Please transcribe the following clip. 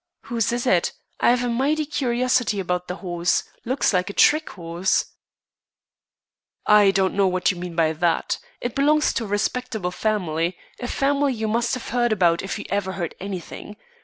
"Whose is it? I've a mighty curiosity about the horse. Looks like a trick horse." "I don't know what you mean by that. It belongs to a respectable family. A family you must have heard about if you ever heard anything.